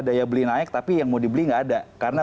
daya beli naik tapi yang mau dibeli nggak ada karena